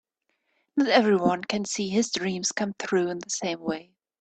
Not everyone can see his dreams come true in the same way.